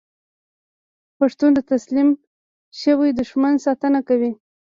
پښتون د تسلیم شوي دښمن ساتنه کوي.